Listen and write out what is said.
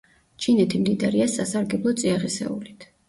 ჩინეთი მდიდარია სასარგებლო წიაღისეულით.